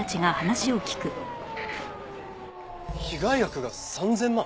被害額が３０００万！？